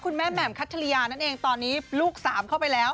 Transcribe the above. แม่แหม่มคัทริยานั่นเองตอนนี้ลูกสามเข้าไปแล้ว